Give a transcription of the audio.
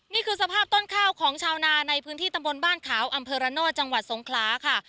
นี่คือสภาพต้นข้าวของชาวนาในพื้นที่ตำบลบ้านขาวอำเภอระโนธจังหวัดสงขลาค่ะ